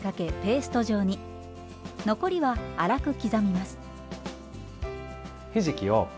残りは粗く刻みます。